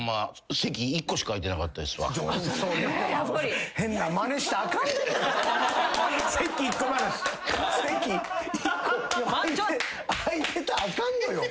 席１個空いてたらあかんのよ。